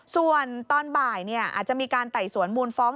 ส่วนตอนบ่ายอาจจะมีการไต่สวนมูลฟ้อง